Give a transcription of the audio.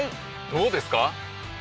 どうですか？